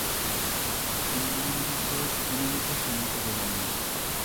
পণ্ডিমহাশয় কোনোমতে সম্মত হইলেন না।